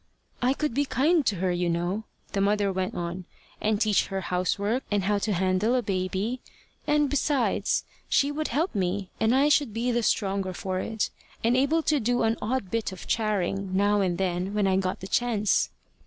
"I could be kind to her, you know," the mother went on, "and teach her housework, and how to handle a baby; and, besides, she would help me, and I should be the stronger for it, and able to do an odd bit of charing now and then, when I got the chance."